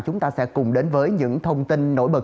chúng ta sẽ cùng đến với những thông tin nổi bật